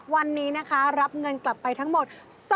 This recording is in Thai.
วันนี้นะคะรับเงินกลับไปทั้งหมด